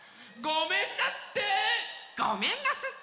ごめんなすって！